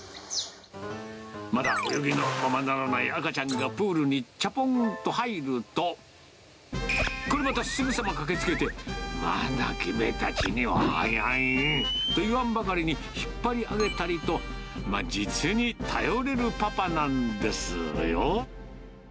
まだ泳ぎのままならない赤ちゃんがプールにちゃぽんと入ると、これまたすぐさま駆けつけて、まだ君たちには早いと言わんばかりに、引っ張り上げたりと、実に頼れるパパなんですのよ。